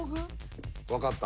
分かった。